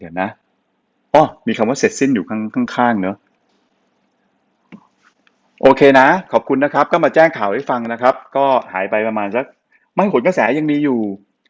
มีคำว่าเสร็จสิ้นอยู่ข้างข้างเนอะโอเคนะขอบคุณนะครับก็มาแจ้งข่าวให้ฟังนะครับก็หายไปประมาณสักไม่ผลกระแสยังมีอยู่